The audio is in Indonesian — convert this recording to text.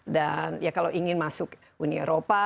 dan ya kalau ingin masuk uni eropa